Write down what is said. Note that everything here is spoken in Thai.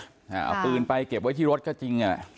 เอาปืนไปเก็บไว้ที่รถก็จริงอ่ะ